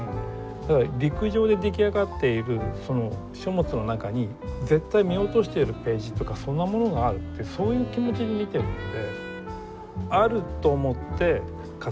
だから陸上で出来上がっているその書物の中に絶対見落としてるページとかそんなものがあるってそういう気持ちで見てるんで。